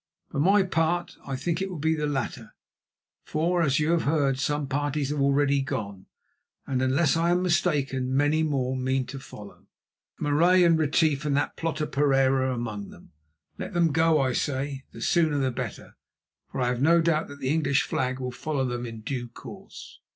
For my part I think it will be the latter, for, as you have heard, some parties have already gone; and, unless I am mistaken, many more mean to follow, Marais and Retief and that plotter, Pereira, among them. Let them go; I say, the sooner the better, for I have no doubt that the English flag will follow them in due course."